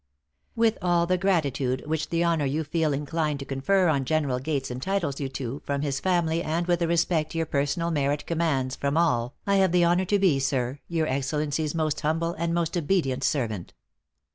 With all the gratitude which the honor you feel inclined to confer on General Gates entitles you to from his family, and with the respect your personal merit commands from all, I have the honor to be, Sir, your Excellency's most humble and most obedient servant.